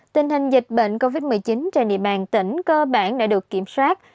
tình hình dịch bệnh covid một mươi chín trên địa bàn tỉnh cơ bản đã được kiểm soát